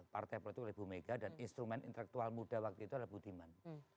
partai politik oleh bu mega dan instrumen intelektual muda waktu itu adalah budiman